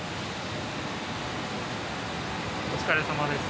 お疲れさまです。